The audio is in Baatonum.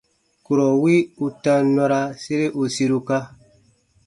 Kurɔ wi u tam nɔra sere u siruka.